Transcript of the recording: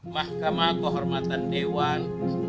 mahkamah kohormatan dewan